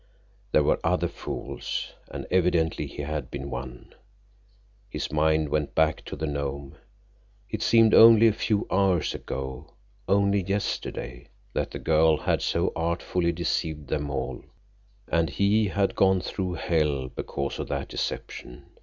There were other fools, and evidently he had been one. His mind went back to the Nome. It seemed only a few hours ago—only yesterday—that the girl had so artfully deceived them all, and he had gone through hell because of that deception.